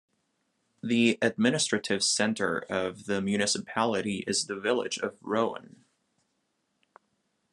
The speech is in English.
The administrative centre of the municipality is the village of Roan.